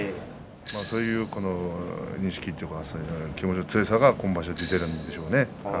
そういう意識というか気持ちの強さが出ているんでしょうね。